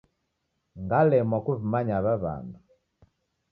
Ngalemwa kuw'imanya aw'a w'andu.